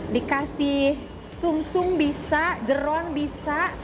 dikasih sungsung bisa jeron bisa